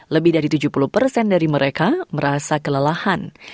lebih dari tujuh puluh persen dari mereka merasa kelelahan